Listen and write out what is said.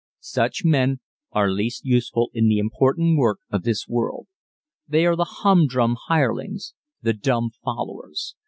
Such men are least useful in the important work of this world. They are the humdrum hirelings the dumb followers.